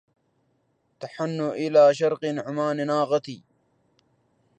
تحن إلى شرقي نعمان ناقتي